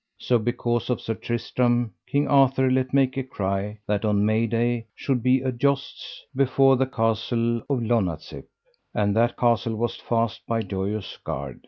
So because of Sir Tristram King Arthur let make a cry, that on May Day should be a jousts before the castle of Lonazep; and that castle was fast by Joyous Gard.